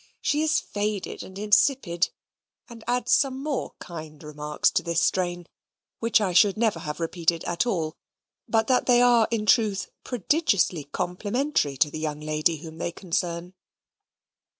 "She is fade and insipid," and adds some more kind remarks in this strain, which I should never have repeated at all, but that they are in truth prodigiously complimentary to the young lady whom they concern.